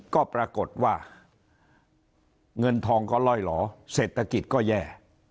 ก็ปรากฏว่าเงินทองก็ล่อยหล่อเศรษฐกิจก็แย่